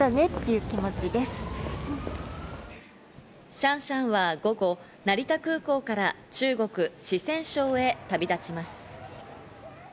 シャンシャンは午後、成田空港から中国・四川省へ旅立ちます。